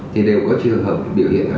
thì đều có trường hợp biểu hiện là